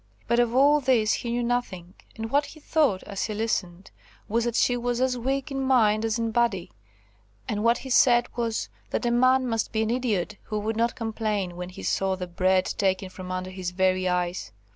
But of all this he knew nothing, and what he thought, as he listened, was, that she was as weak in mind as in body; and what he said was, that a man must be an idiot who would not complain when he saw the bread taken from under his very eyes!